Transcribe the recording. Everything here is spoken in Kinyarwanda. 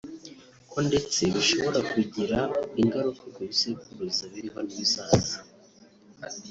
ko ndetse bishobra kugira ingaruka ku bisekuruza biriho n’ibizaza